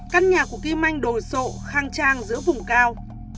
căn nhà của kim anh đồ sộ khang trang giữa vùng cao